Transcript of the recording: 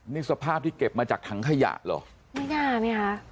นี่สภาพที่เก็บมาจากถังขยะเหรอไม่น่าไหมคะ